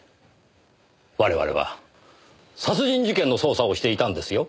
我々は殺人事件の捜査をしていたんですよ。